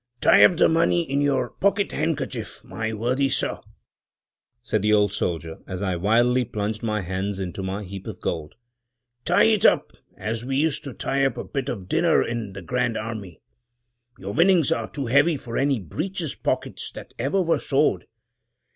"Tie up the money in your pocket handkerchief, my worthy sir," said the old soldier, as I wildly plunged my hands into my heap of gold. "Tie it up, as we used to tie up a bit of dinner in the Grand Army; your winnings are too heavy for any breeches pockets that ever were sewed.